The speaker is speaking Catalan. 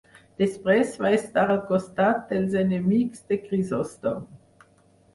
Després va estar al costat dels enemics de Crisòstom.